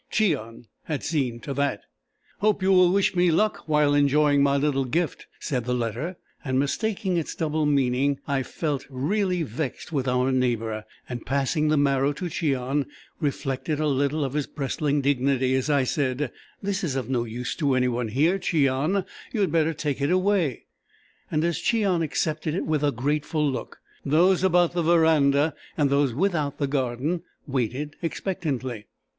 Cheon had seen to that. "Hope you will wish me luck while enjoying my little gift," said the letter, and mistaking its double meaning, I felt really vexed with our neighbour, and passing the marrow to Cheon, reflected a little of his bristling dignity as I said: "This is of no use to any one here, Cheon; you had better take it away"; and as Cheon accepted it with a grateful look, those about the verandah, and those without the garden, waited expectantly.